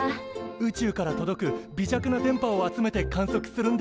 宇宙から届く微弱な電波を集めて観測するんですよね？